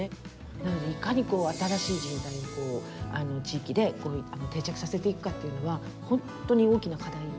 なのでいかにこう新しい人材を地域で定着させていくかっていうのはほんとに大きな課題。